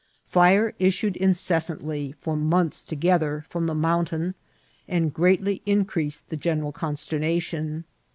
Fire issued incessantly, for months together, from the mountain, and greatly in creased the general consternation.